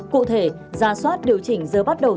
cụ thể gia soát điều chỉnh giờ bắt đầu